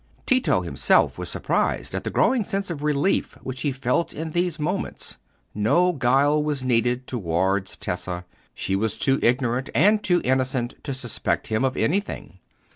Tito himself was surprised at the growing sense of relief which he felt in these moments. No guile was needed towards Tessa: she was too ignorant and too innocent to suspect him of anything.